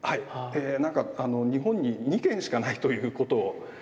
え何か日本に２軒しかないということを。